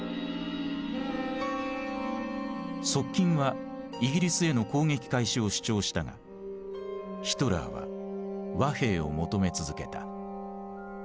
側近はイギリスへの攻撃開始を主張したがヒトラーは和平を求め続けた。